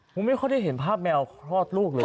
ไม่ค่อยได้เห็นภาพแมวคลอดลูกเลย